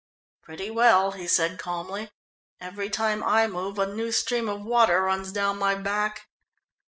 "Pretty well," he said calmly. "Every time I move a new stream of water runs down my back."